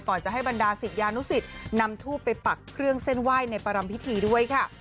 จะให้บรรดาศิษยานุสิตนำทูบไปปักเครื่องเส้นไหว้ในประรำพิธีด้วยค่ะ